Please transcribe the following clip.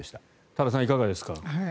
多田さん、いかがですか？